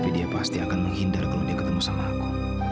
dia pasti akan menghindar kalau dia ketemu sama aku